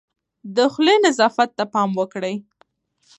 د خولې نظافت ته پام وکړئ.